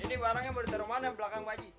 ji ini barangnya mau ditaruh mana belakang pak ji